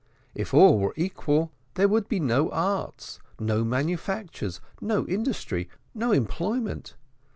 If all were equal there would be no arts, no manufactures, no industry, no employment.